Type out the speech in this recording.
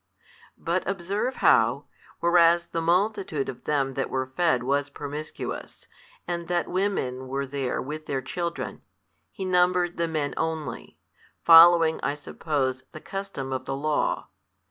But observe how, whereas the multitude of them that were fed was promiscuous, and that women were there with their children, he numbered the men only, following I suppose the custom of the Law.